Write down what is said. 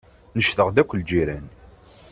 Necdeɣ-d akk lǧiran.